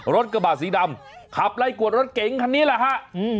กระบาดสีดำขับไล่กวดรถเก๋งคันนี้แหละฮะ